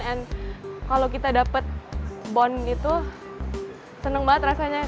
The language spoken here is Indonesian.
and kalau kita dapat bond gitu seneng banget rasanya